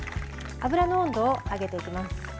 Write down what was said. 油の温度を上げていきます。